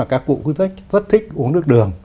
các cụ rất thích uống nước đường